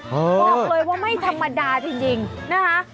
บอกเลยว่าไม่ธรรมดาจริงนะคะ